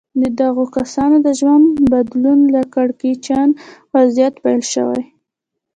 د دغو کسانو د ژوند بدلون له کړکېچن وضعيت پيل شوی.